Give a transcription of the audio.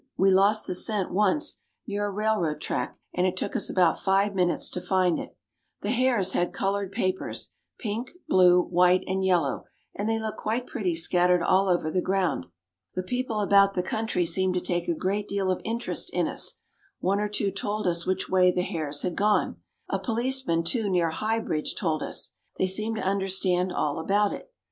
We lost the scent once, near a railroad track, and it took us about five minutes to find it. "The hares had colored papers, pink, blue, white, and yellow, and they looked quite pretty scattered all over the ground. "The people about the country seemed to take a great deal of interest in us; one or two told us which way the hares had gone; a policeman too, near High Bridge, told us. They seemed to understand all about it.